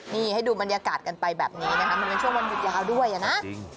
นี่ให้ดูบรรยากาศกันไปแบบนี้นะคะมันเป็นช่วงวันหยุดยาวด้วยนะ